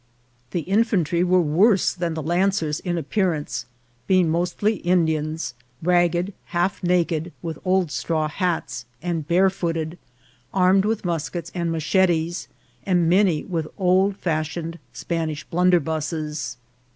The infantry were worse than the lancers in appear ance, being mostly Indians, ragged, half naked, with old straw hats and barefooted, armed with muskets and machetes, and many with oldfashioned Spanish blun derbusses.